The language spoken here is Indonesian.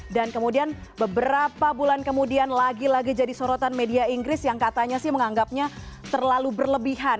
dan kemudian beberapa bulan kemudian lagi lagi jadi sorotan media inggris yang katanya sih menganggapnya terlalu berlebihan